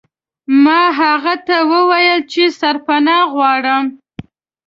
ما هغه ته وویل چې سرپناه غواړم.